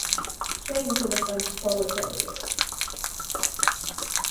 Shame to the French proletariat!